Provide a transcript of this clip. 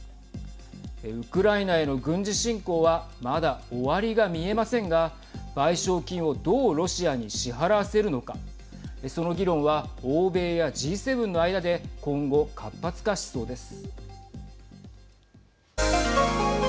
ウクライナへの軍事侵攻はまだ終わりが見えませんが賠償金をどうロシアに支払わせるのかその議論は、欧米やＧ７の間で今後、活発化しそうです。